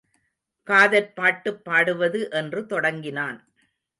காதற் பாட்டுப் பாடுவது என்று தொடங்கினான்.